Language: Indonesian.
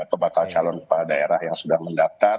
atau bakal calon kepala daerah yang sudah mendaftar